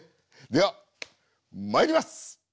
ではまいります！